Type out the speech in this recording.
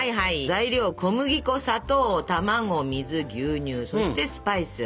材料小麦粉砂糖卵水牛乳そしてスパイス。